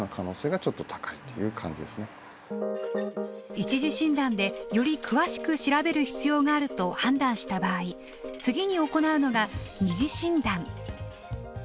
一次診断でより詳しく調べる必要があると判断した場合次に行うのが二次診断。